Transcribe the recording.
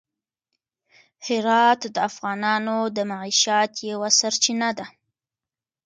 هرات د افغانانو د معیشت یوه سرچینه ده.